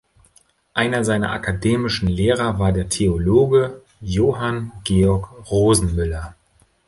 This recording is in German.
Einer seiner akademischen Lehrer war der Theologe Johann Georg Rosenmüller.